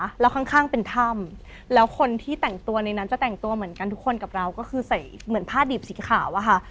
แล้วข้างข้างเป็นถ้ำแล้วคนที่แต่งตัวในนั้นจะแต่งตัวเหมือนกันทุกคนกับเราก็คือใส่เหมือนผ้าดิบสีขาวอะค่ะ